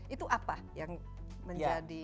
itu apa yang menjadi